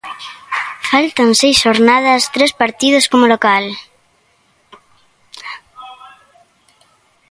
Faltan seis xornadas, tres partidos como local.